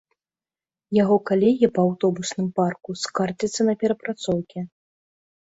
Яго калегі па аўтобусным парку скардзяцца на перапрацоўкі.